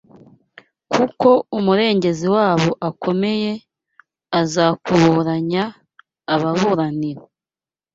Kuko Umurengezi wabo akomeye; azakuburanya, ababuranira